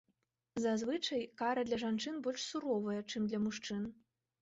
Зазвычай, кара для жанчын больш суровая, чым для мужчын.